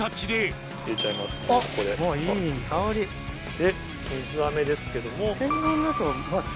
で水飴ですけども。